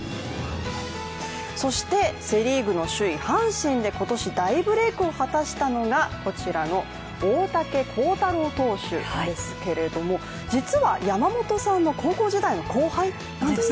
そして、セ・リーグの首位・阪神で今年大ブレークを果たしたのがこちらの大竹耕太郎投手ですけれども実は山本さんの高校時代の後輩なんですね？